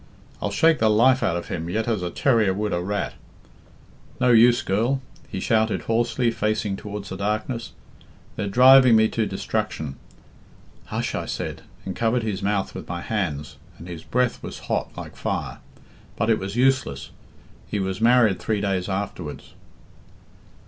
I'll shake the life out of him yet as a terrier would a rat. No use, girl,' he shouted hoarsely, facing towards the darkness, 'they're driving me to destruction.' 'Hush!' I said, and covered his mouth with my hands, and his breath was hot, like fire. But it was useless. He was married three days afterwards."